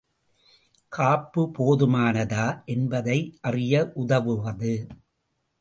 காப்பு போதுமானதா என்பதை அறிய உதவுவது.